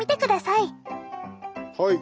はい。